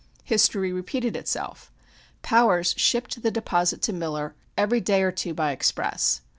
History repeated itself. Powers shipped the deposits to Miller every day or two by express.